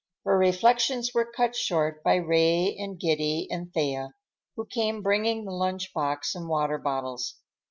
Her reflections were cut short by Ray and Giddy and Thea, who came bringing the lunch box and water bottles.